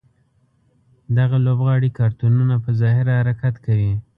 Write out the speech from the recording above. دغه لوبغاړي کارتونونه په ظاهره حرکت کوي.